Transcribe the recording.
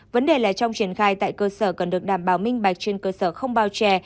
vấn đề là trong triển khai tại cơ sở cần được đảm bảo minh bạch trên cơ sở không bao trè